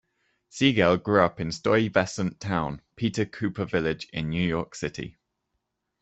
Siegel grew up in Stuyvesant Town-Peter Cooper Village, in New York City.